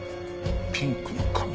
ピンクの髪。